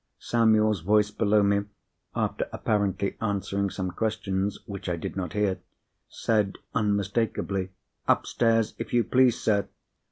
Samuel's voice below me (after apparently answering some questions which I did not hear) said, unmistakably, "Upstairs, if you please, sir."